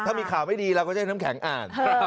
ถ้ามีข่าวไม่ดีเราก็จะให้น้ำแข็งอ่าน